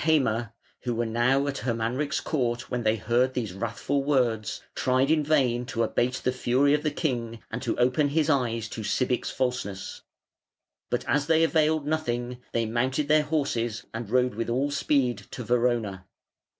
] Witig and Heime, who were now at Hermanric's court, when they heard these wrathful words, tried in vain to abate the fury of the king and to open his eyes to Sibich's falseness; but as they availed nothing, they mounted their horses and rode with all speed to Verona.